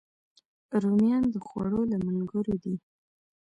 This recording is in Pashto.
رومیان د خوړو له ملګرو دي